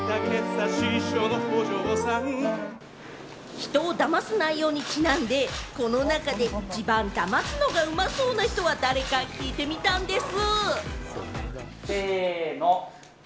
人を騙す内容にちなんで、この中で一番、騙すのがうまそうな人は誰か聞いてみたんです。